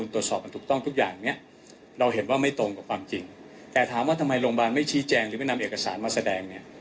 แต่ถามว่าทำไมโรงพยาบาลไม่ชี้แจงหรือไม่นำเอกสารมาแสดงเนี่ย